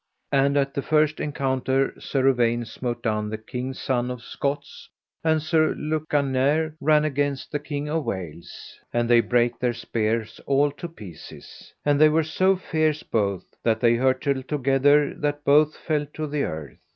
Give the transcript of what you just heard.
And at the first encounter Sir Uwaine smote down the King's son of Scots; and Sir Lucanere ran against the King of Wales, and they brake their spears all to pieces; and they were so fierce both, that they hurtled together that both fell to the earth.